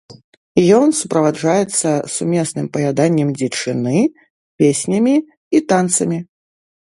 Ён суправаджаецца сумесным паяданнем дзічыны, песнямі і танцамі.